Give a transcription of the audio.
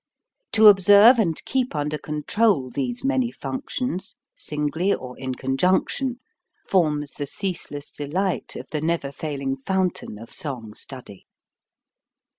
To observe and keep under control these many functions, singly or in conjunction, forms the ceaseless delight of the never failing foun tain of song study.